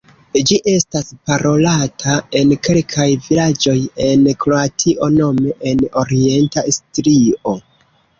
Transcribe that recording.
Ĝi estas parolata en kelkaj vilaĝoj en Kroatio nome en orienta Istrio.